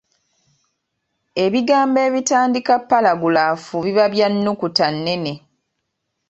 Ebigambo ebitandika ppalagulaafu biba bya nnukuta nnene.